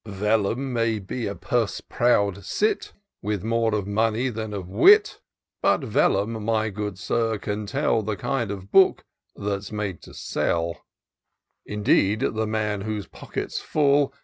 " Vellum may be a purse proud cit. With more of money than of wit ; But Vellunty my good Sir, can tell The kind of book that's made to sell. Indeed, the man whose pocket's full.